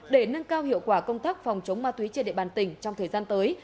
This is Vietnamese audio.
để nâng cao hiệu quả công tác phòng chống ma túy trên địa bàn tỉnh trong thời gian tới